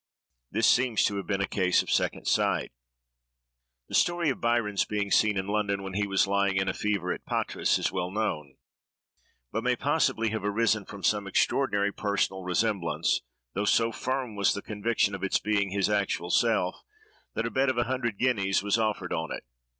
This seems to have been a case of second sight. The story of Byron's being seen in London when he was lying in a fever at Patras, is well known; but may possibly have arisen from some extraordinary personal resemblance, though so firm was the conviction of its being his actual self, that a bet of a hundred guineas was offered on it.